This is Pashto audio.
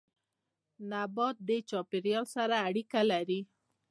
نبات د چاپيريال سره اړيکه لري